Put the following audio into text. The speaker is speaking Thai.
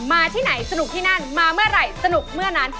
ที่ไหนสนุกที่นั่นมาเมื่อไหร่สนุกเมื่อนั้น